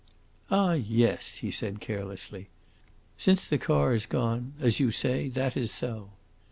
"Ah, yes," he said, carelessly. "Since the car is gone, as you say, that is so."